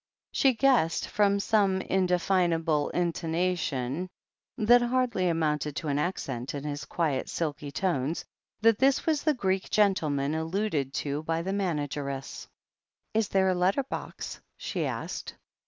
She guessed, from some indefinable intonation that hardly amounted to an accent, in his quiet, silky tones, that this was the Greek gentleman alluded to by the manageress. "Is there a letter box ?" she asked.